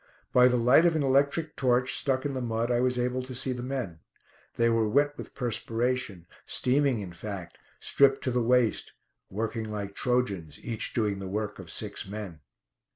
By the light of an electric torch, stuck in the mud, I was able to see the men. They were wet with perspiration, steaming, in fact; stripped to the waist; working like Trojans, each doing the work of six men.